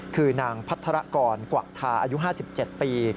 คือนางพัทรกรกวักทาอายุ๕๗ปี